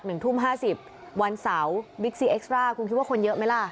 หนึ่งทุ่มห้าสิบวันเสาร์บิ๊กซีเอ็กซ่าคุณคิดว่าคนเยอะไหมล่ะ